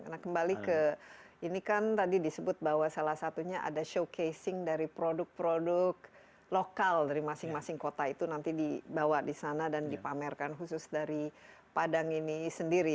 nah kembali ke ini kan tadi disebut bahwa salah satunya ada showcasing dari produk produk lokal dari masing masing kota itu nanti dibawa di sana dan dipamerkan khusus dari padang ini sendiri